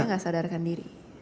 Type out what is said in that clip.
saya tidak sadarkan diri